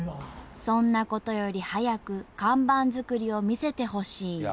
そんなことより早く看板作りを見せてほしい。